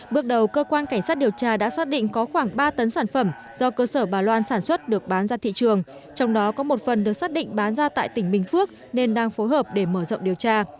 bước đầu cơ quan cảnh sát điều tra đã xác định có khoảng ba tấn sản phẩm do cơ sở bà loan sản xuất được bán ra thị trường trong đó có một phần được xác định bán ra tại tỉnh bình phước nên đang phối hợp để mở rộng điều tra